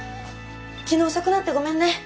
昨日遅くなってごめんね。